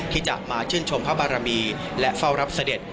ที่จะมาชื่นชมพระบารมีและเฝ้ารับเสด็จ